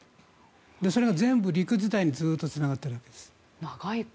それが全部陸伝いにつながっているわけです。